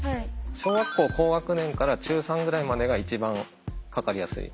小学校高学年から中３ぐらいまでが一番かかりやすい。